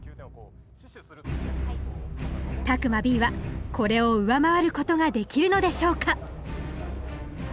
詫間Ｂはこれを上回ることができるのでしょうか？